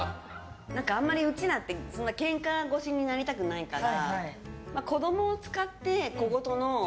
あんまりうちらってけんか腰になりたくないから。